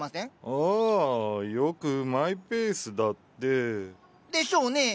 ああよくマイペースだって。でしょうねえ。